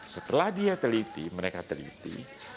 setelah dia teliti mereka teliti